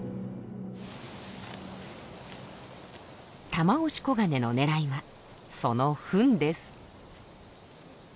タマオシコガネの狙いはそのフンです。